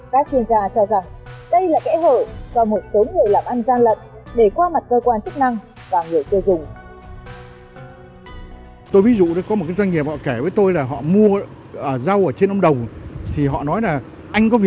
các chuyên gia cho rằng đây là kẽ hở do một số người làm ăn gian lận